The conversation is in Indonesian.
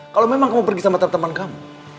kalau memang kamu pergi sama teman kamu